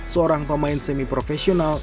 seorang pemain semi profesional